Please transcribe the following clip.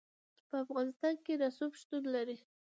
په افغانستان کې رسوب شتون لري.